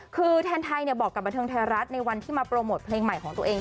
คือแทนไทยบอกกับบันเทิงไทยรัฐในวันที่มาโปรโมทเพลงใหม่ของตัวเอง